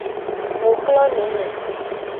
Mu klo nume.